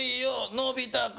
のび太君。